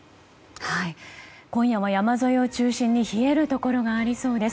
今夜は山沿いを中心に冷えるところがありそうです。